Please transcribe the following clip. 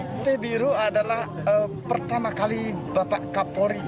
pantai biru adalah pertama kali bapak kapolri